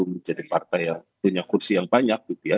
menjadi partai yang punya kursi yang banyak